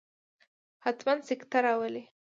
حتما سکته راولي.